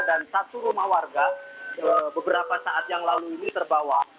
dan satu rumah warga beberapa saat yang lalu ini terbawa